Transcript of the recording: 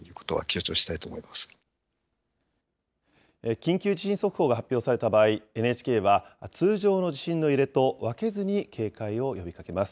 緊急地震速報が発表された場合、ＮＨＫは、通常の地震の揺れと分けずに警戒を呼びかけます。